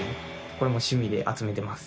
これも趣味で集めてます。